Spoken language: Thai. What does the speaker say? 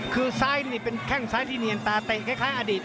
คือซ้ายนี่เป็นแข้งซ้ายที่เนียนตาเตะคล้ายอดีต